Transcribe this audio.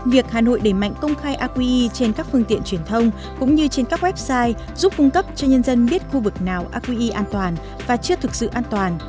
việc hà nội đẩy mạnh công khai aqi trên các phương tiện truyền thông cũng như trên các website giúp cung cấp cho nhân dân biết khu vực nào aqi an toàn và chưa thực sự an toàn